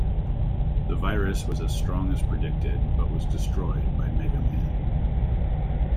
The virus was as strong as predicted, but was destroyed by MegaMan.